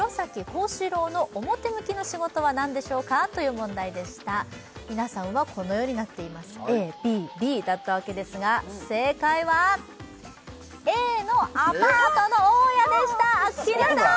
高志郎の表向きの仕事は何でしょうかという問題でした皆さんはこのようになっていますＡＢＢだったわけですが正解はＡのアパートの大家でしたアッキーナさん